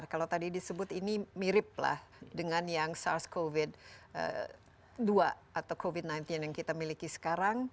kalau tadi disebut ini mirip lah dengan yang sars cov dua atau covid sembilan belas yang kita miliki sekarang